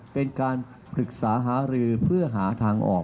เป็นการปรึกษาหารือเพื่อหาทางออก